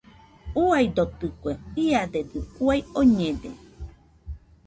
Uaidotɨkue, iadedɨ uai oñede.